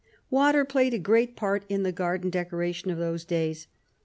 Water played a great part in the garden decoration of those days.